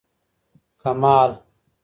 کمال